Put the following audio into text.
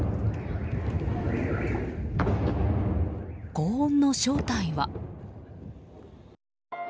轟音の正体は。